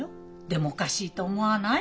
でもおかしいと思わない？